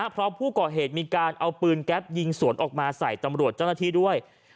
เพราะผู้ก่อเหตุมีการเอาปืนแก๊ปยิงสวนออกมาใส่ตำรวจเจ้าหน้าที่ด้วย